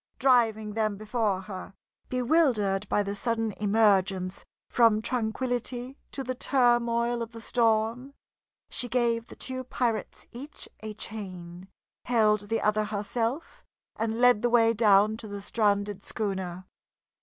Driving them before her, bewildered by the sudden emergence from tranquillity to the turmoil of the storm, she gave the two pirates each a chain, held the other herself, and led the way down to the stranded schooner.